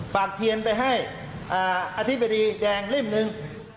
เทียนไปให้อธิบดีแดงริ่มหนึ่ง